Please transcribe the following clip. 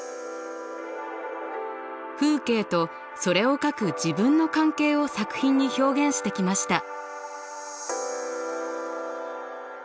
風景とそれを描く自分の関係を作品に表現してきました。